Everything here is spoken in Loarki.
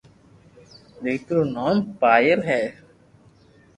ديڪري رو نوم پايل ھي